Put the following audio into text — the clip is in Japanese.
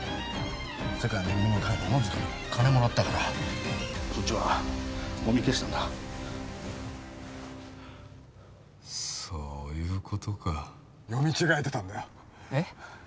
世界恵みの会の小野塚に金もらったからそっちはもみ消したんだそういうことか読み違えてたんだよえっ？